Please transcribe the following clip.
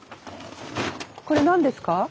これ何ですか？